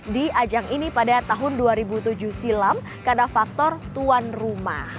di ajang ini pada tahun dua ribu tujuh silam karena faktor tuan rumah